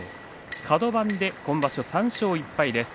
カド番で今場所３勝１敗です。